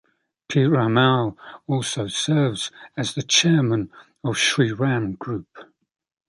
Piramal also serves as the Chairman of Shriram Group.